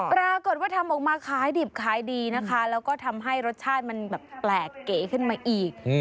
ปรากฏว่าทำออกมาขายดิบขายดีนะคะแล้วก็ทำให้รสชาติมันแบบแปลกเก๋ขึ้นมาอีก